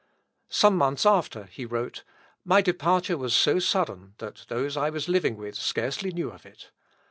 Some months after, he wrote "My departure was so sudden, that those I was living with scarcely knew of it.